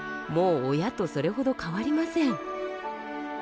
もう親とそれほど変わりません。